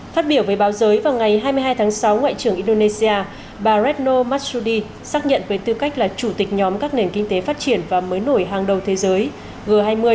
phát biểu với báo giới vào ngày hai mươi hai tháng sáu ngoại trưởng indonesia bà redno mashudi xác nhận với tư cách là chủ tịch nhóm các nền kinh tế phát triển và mới nổi hàng đầu thế giới g hai mươi